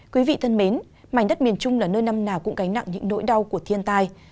quý vị thân mến mảnh đất miền trung là nơi năm nào cũng gánh nặng những nỗi đau của thiên tai